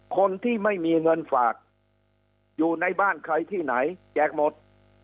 คนที่ไม่มีเงินฝากอยู่ในบ้านใครที่ไหนแจกหมด